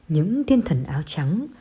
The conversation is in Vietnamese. những thiên thần áo trắng